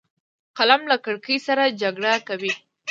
قلم له کرکې سره جګړه کوي